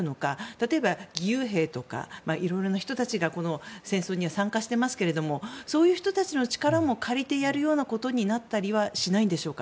例えば、義勇兵とかいろいろな人たちがこの戦争には参加していますけれどもそういう人たちの力も借りてやるようなことになったりはするんでしょうか。